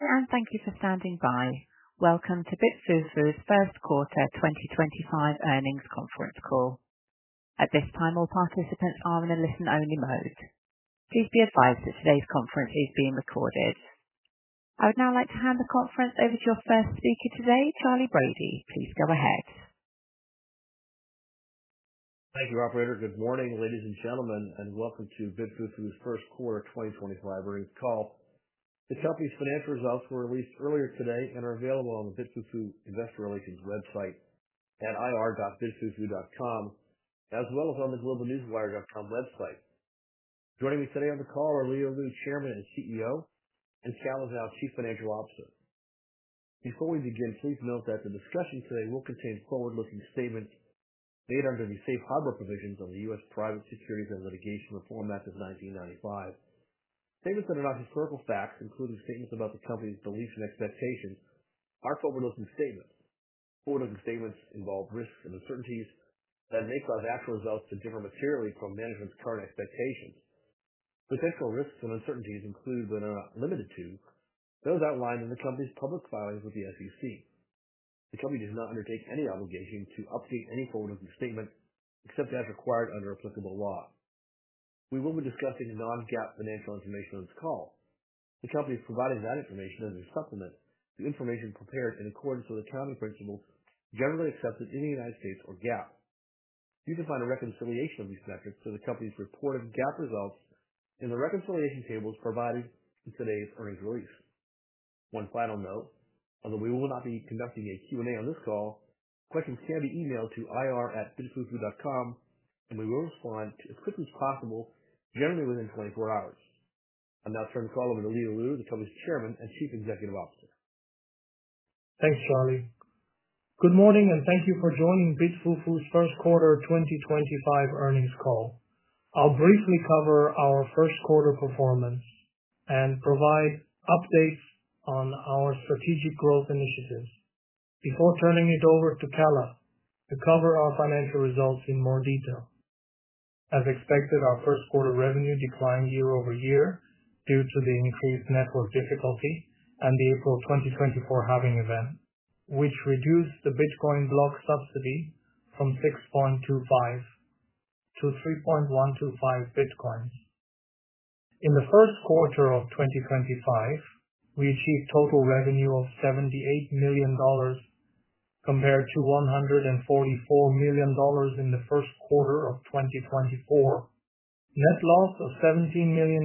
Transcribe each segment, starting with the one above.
Thank you for standing by. Welcome to BitFuFu's First Quarter 2025 Earnings Conference Call. At this time, all participants are in a listen-only mode. Please be advised that today's conference is being recorded. I would now like to hand the conference over to your first speaker today, Charley Brady. Please go ahead. Thank you, Operator. Good morning, ladies and gentlemen, and welcome to BitFuFu's First Quarter 2025 Earnings Call. The company's financial results were released earlier today and are available on the BitFuFu Investor Relations website at ir.bitfufu.com, as well as on the globalnewswire.com website. Joining me today on the call are Leo Lu, Chairman and CEO, and Calla Zhao, Chief Financial Officer. Before we begin, please note that the discussion today will contain forward-looking statements made under the Safe Harbor provisions of the U.S. Private Securities and Litigation Reform Act of 1995. Statements that are not historical facts, including statements about the company's beliefs and expectations, are forward-looking statements. Forward-looking statements involve risks and uncertainties that may cause actual results to differ materially from management's current expectations. Potential risks and uncertainties include but are not limited to those outlined in the company's public filings with the SEC. The company does not undertake any obligation to update any forward-looking statement except as required under applicable law. We will be discussing non-GAAP financial information on this call. The company is providing that information as a supplement to information prepared in accordance with accounting principles generally accepted in the U.S. or GAAP. You can find a reconciliation of these metrics to the company's reported GAAP results in the reconciliation tables provided in today's earnings release. One final note, although we will not be conducting a Q&A on this call, questions can be emailed to ir.bitfufu.com, and we will respond as quickly as possible, generally within 24 hours. I'll now turn the call over to Leo Lu, the company's Chairman and Chief Executive Officer. Thanks, Charley. Good morning, and thank you for joining BitFuFu's First Quarter 2025 Earnings Call. I'll briefly cover our First Quarter performance and provide updates on our strategic growth initiatives before turning it over to Calla to cover our financial results in more detail. As expected, our First Quarter revenue declined year-over-year due to the increased network difficulty and the April 2024 halving event, which reduced the Bitcoin block subsidy from 6.25 Bitcoins to 3.125 Bitcoins. In the First Quarter of 2025, we achieved total revenue of $78 million compared to $144 million in the First Quarter of 2024. Net loss of $17 million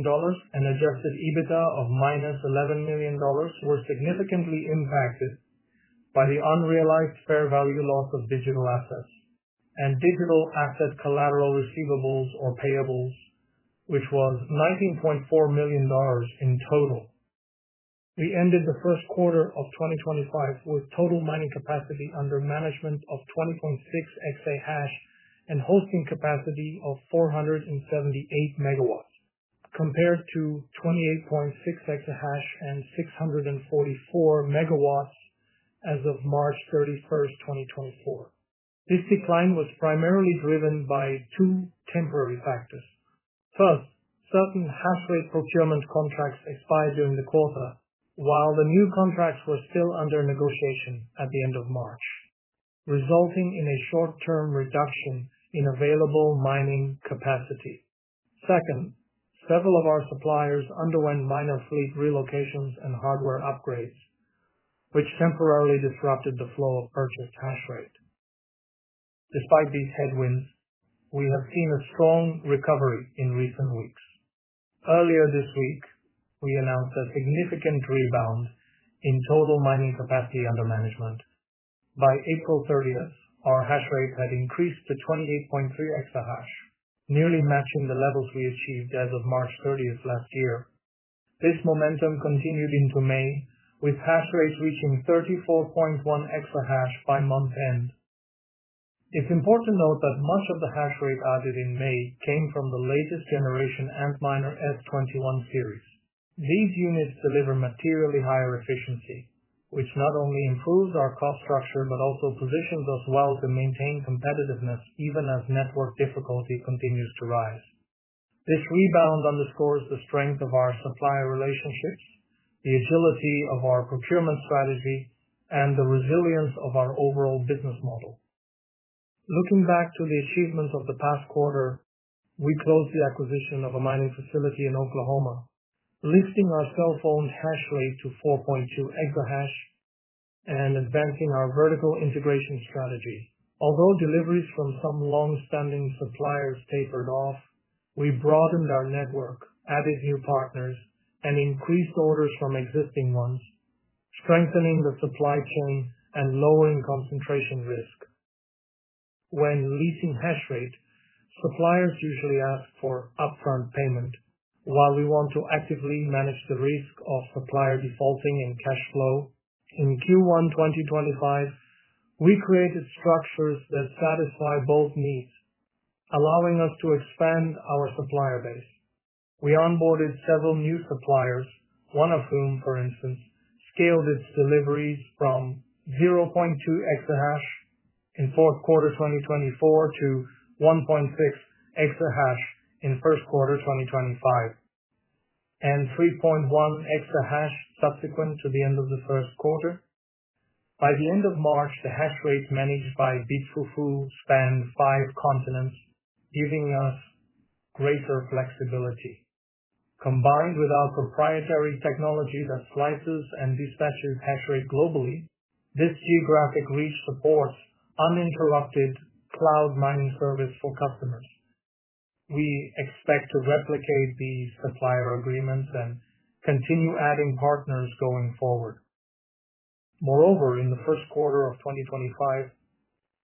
and adjusted EBITDA of -$11 million were significantly impacted by the unrealized fair value loss of digital assets and digital asset collateral receivables or payables, which was $19.4 million in total. We ended the First Quarter of 2025 with total mining capacity under management of 20.6 exahash and hosting capacity of 478 megawatts, compared to 28.6 exahash and 644 megawatts as of March 31, 2024. This decline was primarily driven by two temporary factors. First, certain hash rate procurement contracts expired during the quarter, while the new contracts were still under negotiation at the end of March, resulting in a short-term reduction in available mining capacity. Second, several of our suppliers underwent minor fleet relocations and hardware upgrades, which temporarily disrupted the flow of purchased hash rate. Despite these headwinds, we have seen a strong recovery in recent weeks. Earlier this week, we announced a significant rebound in total mining capacity under management. By April 30, our hash rate had increased to 28.3 exahash, nearly matching the levels we achieved as of March 30 last year. This momentum continued into May, with hash rates reaching 34.1 exahash by month end. It's important to note that much of the hash rate added in May came from the latest generation Antminer S21 series. These units deliver materially higher efficiency, which not only improves our cost structure but also positions us well to maintain competitiveness even as network difficulty continues to rise. This rebound underscores the strength of our supplier relationships, the agility of our procurement strategy, and the resilience of our overall business model. Looking back to the achievements of the past quarter, we closed the acquisition of a mining facility in Oklahoma, lifting our self-mining hash rate to 4.2 exahash and advancing our vertical integration strategy. Although deliveries from some long-standing suppliers tapered off, we broadened our network, added new partners, and increased orders from existing ones, strengthening the supply chain and lowering concentration risk. When leasing hash rate, suppliers usually ask for upfront payment, while we want to actively manage the risk of supplier defaulting in cash flow. In Q1 2025, we created structures that satisfy both needs, allowing us to expand our supplier base. We onboarded several new suppliers, one of whom, for instance, scaled its deliveries from 0.2 exahash in Fourth Quarter 2024 to 1.6 exahash in First Quarter 2025, and 3.1 exahash subsequent to the end of the First Quarter. By the end of March, the hash rate managed by BitFuFu spanned five continents, giving us greater flexibility. Combined with our proprietary technology that slices and dispatches hash rate globally, this geographic reach supports uninterrupted cloud mining service for customers. We expect to replicate these supplier agreements and continue adding partners going forward. Moreover, in the First Quarter of 2025,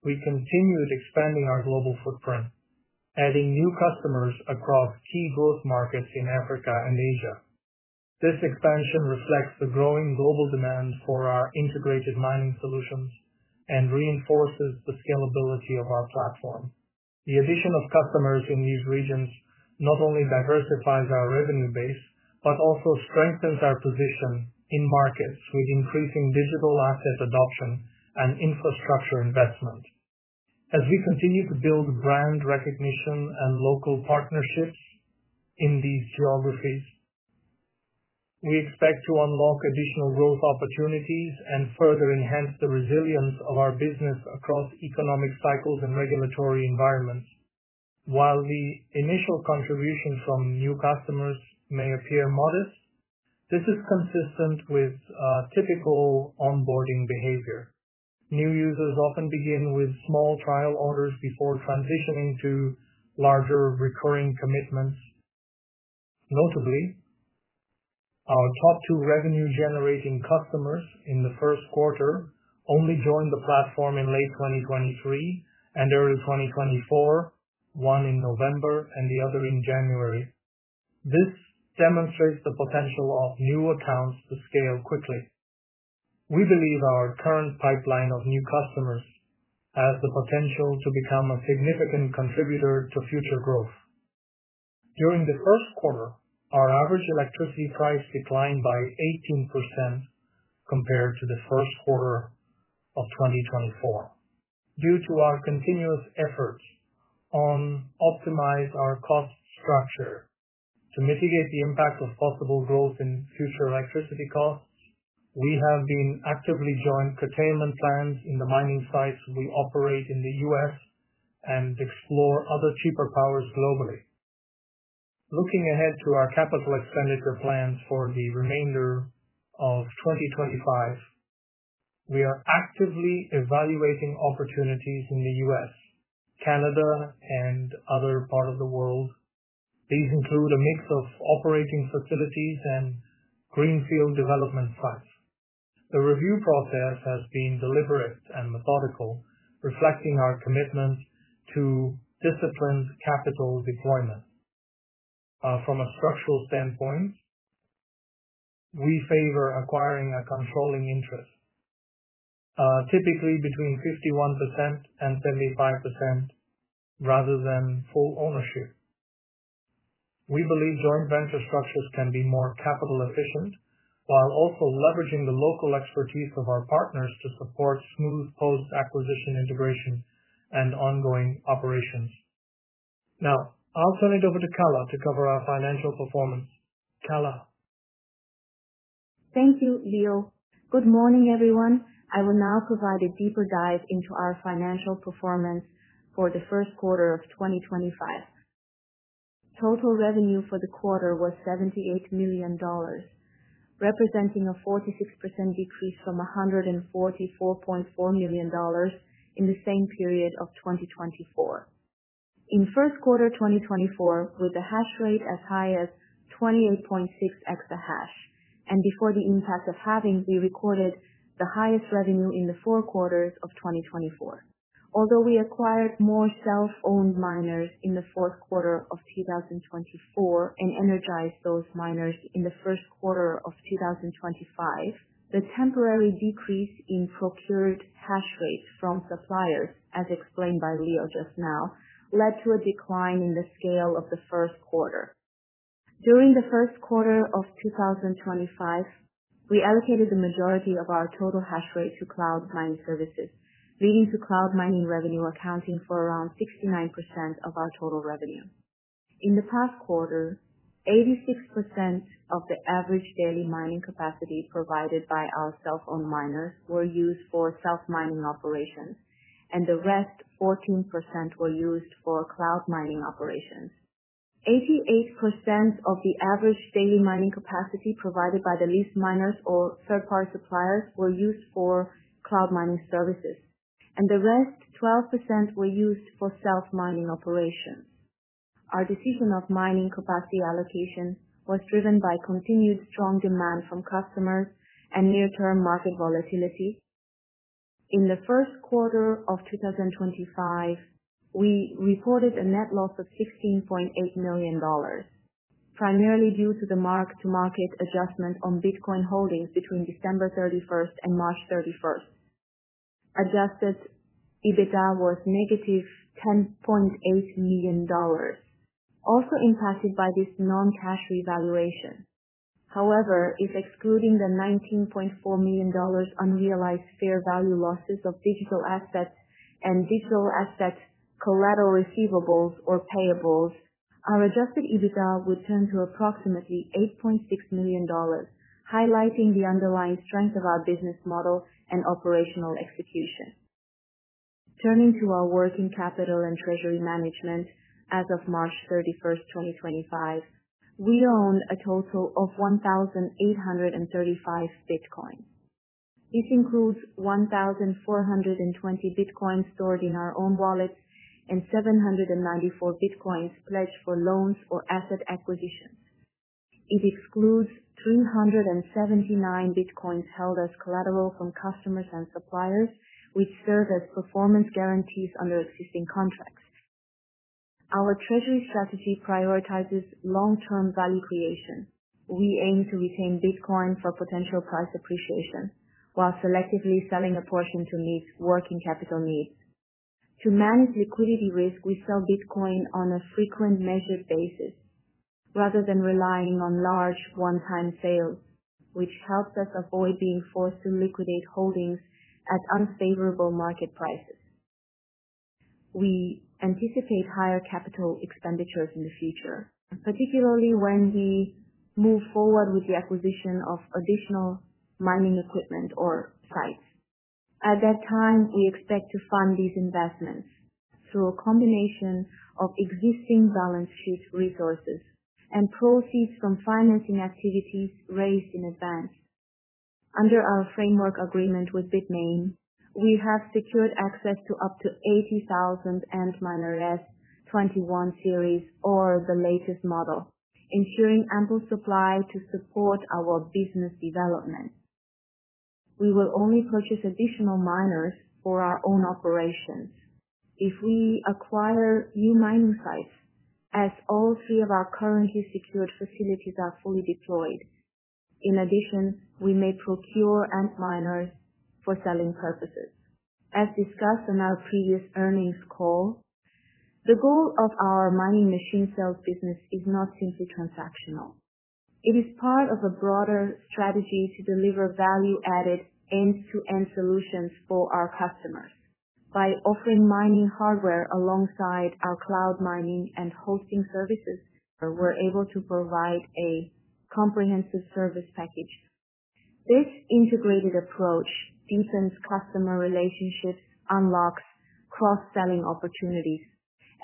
we continued expanding our global footprint, adding new customers across key growth markets in Africa and Asia. This expansion reflects the growing global demand for our integrated mining solutions and reinforces the scalability of our platform. The addition of customers in these regions not only diversifies our revenue base but also strengthens our position in markets with increasing digital asset adoption and infrastructure investment. As we continue to build brand recognition and local partnerships in these geographies, we expect to unlock additional growth opportunities and further enhance the resilience of our business across economic cycles and regulatory environments. While the initial contribution from new customers may appear modest, this is consistent with typical onboarding behavior. New users often begin with small trial orders before transitioning to larger recurring commitments. Notably, our top two revenue-generating customers in the First Quarter only joined the platform in late 2023 and early 2024, one in November and the other in January. This demonstrates the potential of new accounts to scale quickly. We believe our current pipeline of new customers has the potential to become a significant contributor to future growth. During the First Quarter, our average electricity price declined by 18% compared to the First Quarter of 2024. Due to our continuous efforts on optimizing our cost structure to mitigate the impact of possible growth in future electricity costs, we have been actively joining containment plans in the mining sites we operate in the U.S. and explore other cheaper powers globally. Looking ahead to our capital expenditure plans for the remainder of 2025, we are actively evaluating opportunities in the U.S., Canada, and other parts of the world. These include a mix of operating facilities and greenfield development sites. The review process has been deliberate and methodical, reflecting our commitment to disciplined capital deployment. From a structural standpoint, we favor acquiring a controlling interest, typically between 51% and 75%, rather than full ownership. We believe joint venture structures can be more capital-efficient while also leveraging the local expertise of our partners to support smooth post-acquisition integration and ongoing operations. Now, I'll turn it over to Calla to cover our financial performance. Calla. Thank you, Leo. Good morning, everyone. I will now provide a deeper dive into our financial performance for the First Quarter of 2025. Total revenue for the quarter was $78 million, representing a 46% decrease from $144.4 million in the same period of 2024. In First Quarter 2024, with the hash rate as high as 28.6 exahash and before the impact of halving, we recorded the highest revenue in the four quarters of 2024. Although we acquired more self-owned miners in the Fourth Quarter of 2024 and energized those miners in the First Quarter of 2025, the temporary decrease in procured hash rates from suppliers, as explained by Leo just now, led to a decline in the scale of the First Quarter. During the First Quarter of 2025, we allocated the majority of our total hash rate to cloud mining services, leading to cloud mining revenue accounting for around 69% of our total revenue. In the past quarter, 86% of the average daily mining capacity provided by our self-owned miners were used for self-mining operations, and the rest, 14%, were used for cloud mining operations. 88% of the average daily mining capacity provided by the leased miners or third-party suppliers were used for cloud mining services, and the rest, 12%, were used for self-mining operations. Our decision of mining capacity allocation was driven by continued strong demand from customers and near-term market volatility. In the First Quarter of 2025, we reported a net loss of $16.8 million, primarily due to the mark-to-market adjustment on Bitcoin holdings between December 31 and March 31. Adjusted EBITDA was negative $10.8 million, also impacted by this non-cash revaluation. However, if excluding the $19.4 million unrealized fair value losses of digital assets and digital asset collateral receivables or payables, our adjusted EBITDA would turn to approximately $8.6 million, highlighting the underlying strength of our business model and operational execution. Turning to our working capital and treasury management, as of March 31, 2025, we owned a total of 1,835 Bitcoins. This includes 1,420 Bitcoins stored in our own wallets and 794 Bitcoins pledged for loans or asset acquisitions. It excludes 379 Bitcoins held as collateral from customers and suppliers, which serve as performance guarantees under existing contracts. Our treasury strategy prioritizes long-term value creation. We aim to retain Bitcoin for potential price appreciation while selectively selling a portion to meet working capital needs. To manage liquidity risk, we sell Bitcoin on a frequent measured basis rather than relying on large one-time sales, which helps us avoid being forced to liquidate holdings at unfavorable market prices. We anticipate higher capital expenditures in the future, particularly when we move forward with the acquisition of additional mining equipment or sites. At that time, we expect to fund these investments through a combination of existing balance sheet resources and proceeds from financing activities raised in advance. Under our framework agreement with BITMAIN, we have secured access to up to 80,000 ANTMINER S21 series or the latest model, ensuring ample supply to support our business development. We will only purchase additional miners for our own operations if we acquire new mining sites, as all three of our currently secured facilities are fully deployed. In addition, we may procure ANTMINERS for selling purposes. As discussed in our previous earnings call, the goal of our mining machine sales business is not simply transactional. It is part of a broader strategy to deliver value-added end-to-end solutions for our customers. By offering mining hardware alongside our cloud mining and hosting services, we're able to provide a comprehensive service package. This integrated approach deepens customer relationships, unlocks cross-selling opportunities,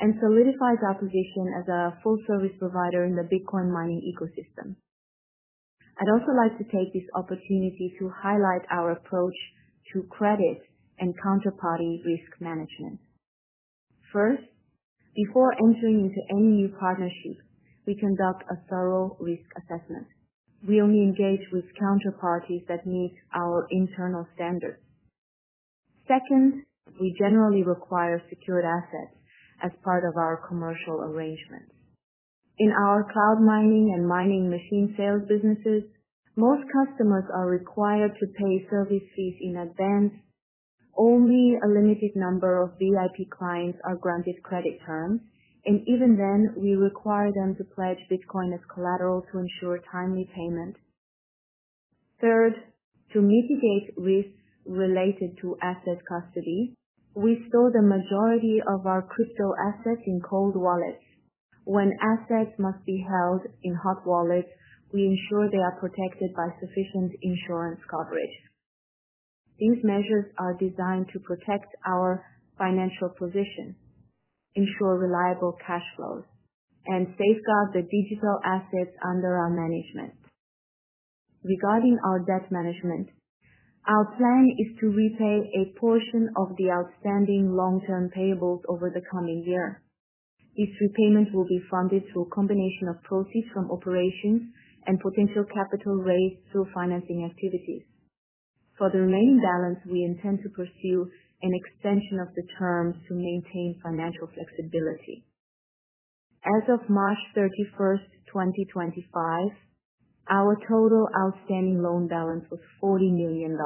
and solidifies our position as a full-service provider in the Bitcoin mining ecosystem. I'd also like to take this opportunity to highlight our approach to credit and counterparty risk management. First, before entering into any new partnership, we conduct a thorough risk assessment. We only engage with counterparties that meet our internal standards. Second, we generally require secured assets as part of our commercial arrangements. In our cloud mining and mining machine sales businesses, most customers are required to pay service fees in advance. Only a limited number of VIP clients are granted credit terms, and even then, we require them to pledge Bitcoin as collateral to ensure timely payment. Third, to mitigate risks related to asset custody, we store the majority of our Crypto assets in cold wallets. When assets must be held in hot wallets, we ensure they are protected by sufficient insurance coverage. These measures are designed to protect our financial position, ensure reliable cash flows, and safeguard the digital assets under our management. Regarding our debt management, our plan is to repay a portion of the outstanding long-term payables over the coming year. This repayment will be funded through a combination of proceeds from operations and potential capital raised through financing activities. For the remaining balance, we intend to pursue an extension of the terms to maintain financial flexibility. As of March 31, 2025, our total outstanding loan balance was $40 million.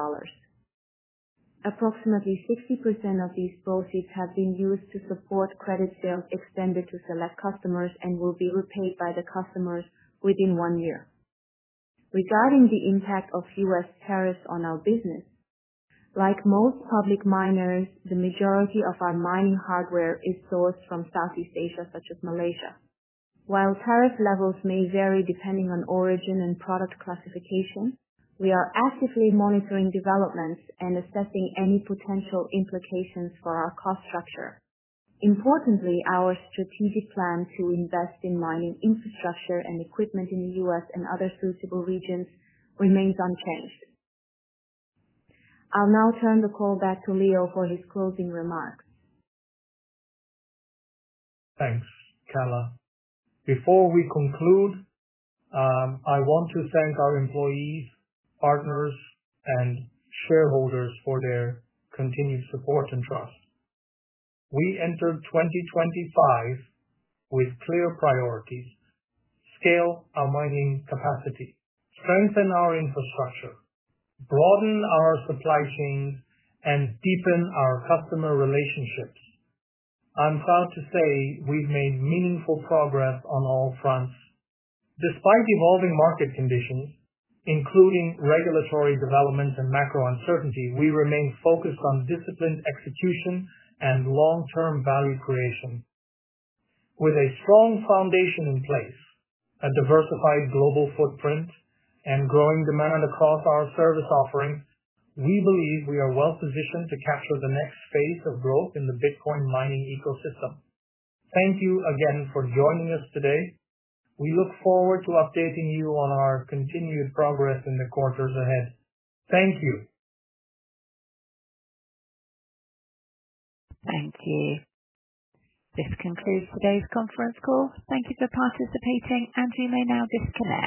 Approximately 60% of these proceeds have been used to support credit sales extended to select customers and will be repaid by the customers within one year. Regarding the impact of U.S. tariffs on our business, like most public miners, the majority of our mining hardware is sourced from Southeast Asia, such as Malaysia. While tariff levels may vary depending on origin and product classification, we are actively monitoring developments and assessing any potential implications for our cost structure. Importantly, our strategic plan to invest in mining infrastructure and equipment in the U.S. and other suitable regions remains unchanged. I'll now turn the call back to Leo for his closing remarks. Thanks, Calla. Before we conclude, I want to thank our employees, partners, and shareholders for their continued support and trust. We entered 2025 with clear priorities: scale our mining capacity, strengthen our infrastructure, broaden our supply chains, and deepen our customer relationships. I'm proud to say we've made meaningful progress on all fronts. Despite evolving market conditions, including regulatory developments and macro uncertainty, we remain focused on disciplined execution and long-term value creation. With a strong foundation in place, a diversified global footprint, and growing demand across our service offering, we believe we are well-positioned to capture the next phase of growth in the Bitcoin mining ecosystem. Thank you again for joining us today. We look forward to updating you on our continued progress in the quarters ahead. Thank you. Thank you. This concludes today's conference call. Thank you for participating, and you may now disconnect.